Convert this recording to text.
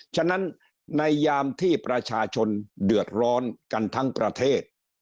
ฉะนั้นในยามที่ประชาชนเดือดร้อนกันทั้งประเทศ